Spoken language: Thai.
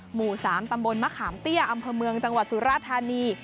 หมู่๓ตำบลมะขามเตี้ยอำเภอเมืองจังหวัดสุราธานี